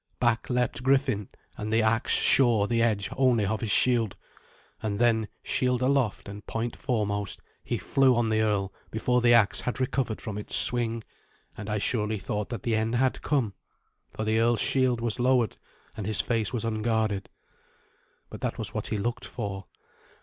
Back leapt Griffin, and the axe shore the edge only of his shield; and then, shield aloft and point foremost, he flew on the earl before the axe had recovered from its swing, and I surely thought that the end had come, for the earl's shield was lowered, and his face was unguarded. But that was what he looked for.